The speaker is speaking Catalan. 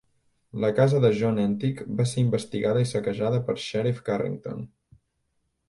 La casa de John Entick va ser investigada i saquejada per Sherriff Carrington.